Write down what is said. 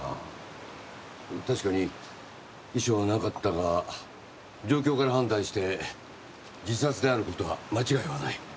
確かに遺書はなかったが状況から判断して自殺である事は間違いはない。